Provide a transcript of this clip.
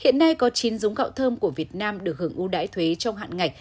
ngay có chín giống gạo thơm của việt nam được hưởng ưu đãi thuế trong hạn ngạch